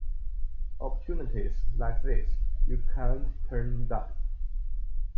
Opportunities like this you can't turn down.